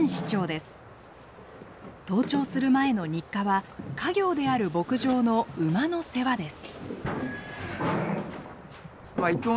登庁する前の日課は家業である牧場の馬の世話です。